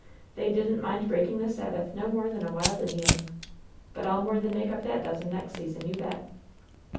They didn't mind breaking the Sabbath no more than a wild Indian. But I'll more than make up that dozen next season, you bet."